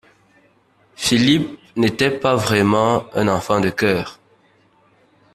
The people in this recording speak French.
Philippe n’était pas vraiment un enfant de chœur.